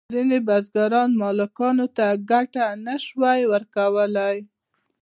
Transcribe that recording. ځینې بزګران مالکانو ته ګټه نشوای ورکولی.